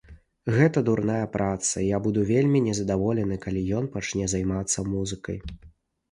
Гэта дурная праца і я буду вельмі незадаволены, калі ён пачне займацца музыкай.